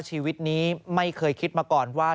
ชีวิตนี้ไม่เคยคิดมาก่อนว่า